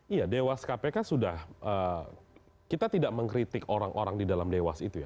iya dewas kpk sudah kita tidak mengkritik orang orang di dalam dewas itu ya